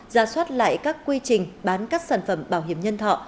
ra soát lại các quy trình bán các sản phẩm bảo hiểm nhân thọ